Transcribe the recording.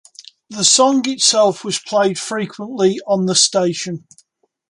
The song itself was played frequently on the station.